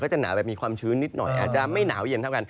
จะหนาวแบบมีความชื้นนิดหน่อยอาจจะไม่หนาวเย็นเท่ากัน